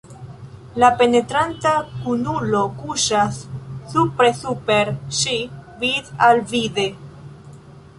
La penetranta kunulo kuŝas supre super ŝi, vid-al-vide.